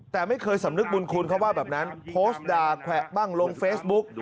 แต่ไม่เคยสำนึกบุญคุณเขาว่าแบบนั้นโพสต์ด่าแขวะบ้างลงเฟซบุ๊ก